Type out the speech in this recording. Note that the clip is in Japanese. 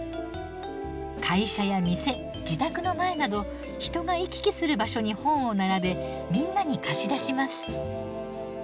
会社や店自宅の前など人が行き来する場所に本を並べみんなに貸し出します。